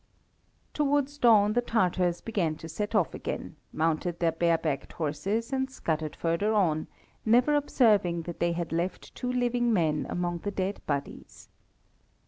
Towards dawn the Tatars began to set off again, mounted their barebacked horses and scudded further on, never observing that they had left two living men among the dead bodies.